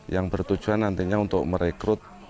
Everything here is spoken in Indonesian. yang bertujuan nantinya untuk merekrut